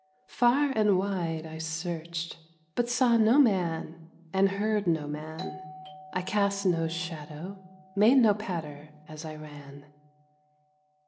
Far and wide I searched, but saw no man, and heard no man, I cast no shadow, made no patter, as I ran.